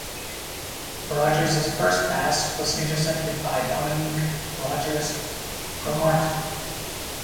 Rodgers's first pass was intercepted by Dominique Rodgers-Cromartie.